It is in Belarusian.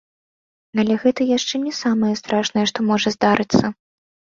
Але гэта яшчэ не самае страшнае, што можа здарыцца.